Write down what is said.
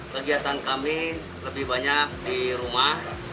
kegiatan kami lebih banyak di rumah